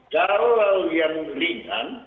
kalau yang ringan